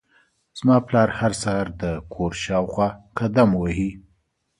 زما پلار هر سهار د کور شاوخوا قدم وهي.